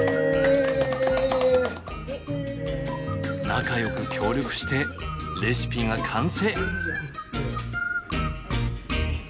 仲よく協力してレシピが完成。